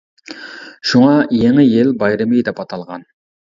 شۇڭا يېڭى يىل بايرىمى دەپ ئاتالغان.